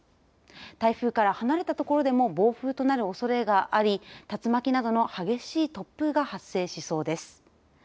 台風から離れたところでも暴風となるおそれがあり竜巻などの激しい突風が発生しそうです。